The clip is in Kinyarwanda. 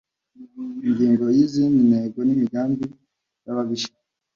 Ingingo yi izindi ntego n imigambi yababisha